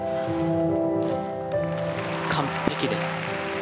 完璧です。